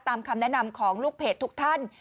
คำแนะนำของลูกเพจทุกท่าน